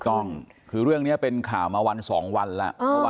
ถูกต้องคือเรื่องนี้เป็นข่าวมาวัน๒วันแล้ว